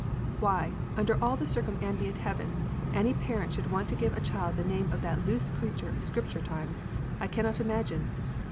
Why, under all the circumambient heaven, any parent should want to give a child the name of that loose creature of Scripture times, I cannot imagine.